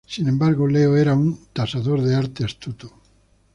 Sin embargo, Leo era el tasador de arte astuto.